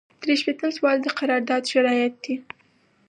درې شپیتم سوال د قرارداد شرایط دي.